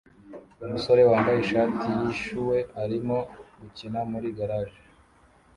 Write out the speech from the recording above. Umusore wambaye ishati yishyuwe arimo gukina muri garage